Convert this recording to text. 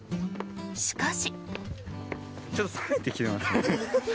しかし。